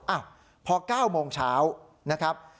อ้าวพอ๙โมงเช้านะครับ